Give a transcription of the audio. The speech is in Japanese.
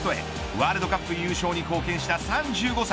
ワールドカップ優勝に貢献した３５歳。